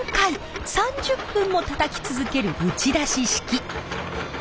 ３０分もたたき続ける打ち出し式。